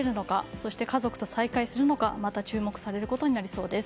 そして家族と再会するのかまた注目されることになりそうです。